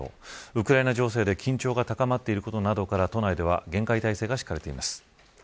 ウクライナ情勢で緊張が高まっていることなどから都内では厳戒態勢がしかれています。